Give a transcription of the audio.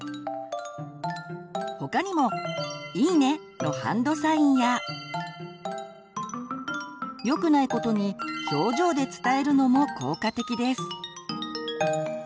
他にも「イイね！」のハンドサインや。よくないことに表情で伝えるのも効果的です。